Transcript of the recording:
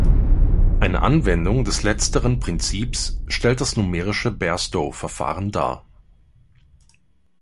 Eine Anwendung des letzteren Prinzips stellt das numerische Bairstow-Verfahren dar.